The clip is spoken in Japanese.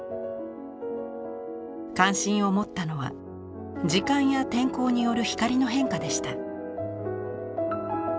関心を持ったのは時間や天候による光の変化でした。